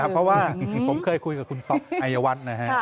เพราะว่าผมเคยคุยกับคุณป๊อปอายวัฒน์นะฮะ